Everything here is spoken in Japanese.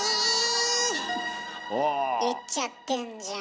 言っちゃってんじゃん。